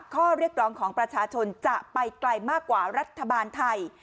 ข้อเรียกร้องของประชาชนจะไปไกลมากกว่ารัฐบาลไทย